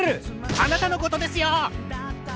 あなたのことですよ！